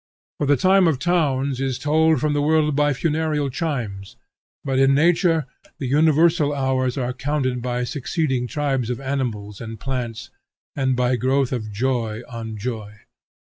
For the time of towns is tolled from the world by funereal chimes, but in nature the universal hours are counted by succeeding tribes of animals and plants, and by growth of joy on joy.